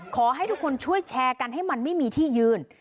ขอให้ทุกคนช่วยแชร์กันให้มันไม่มีที่ยืน